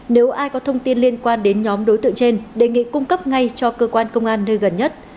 nếu ai có thông tin liên quan đến nhóm đối tượng trên đề nghị cung cấp ngay cho cơ quan công an nơi gần nhất